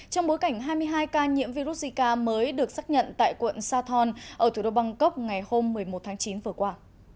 trong bối cảnh hai mươi hai ca nhiễm virus zika mới được xác nhận tại quận sathon ở thủ đô bangkok ngày hôm một mươi một tháng chín vừa qua